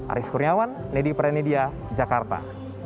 arief kurniawan nedi prenedia jakarta